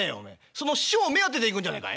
その師匠目当てで行くんじゃねえかい？」。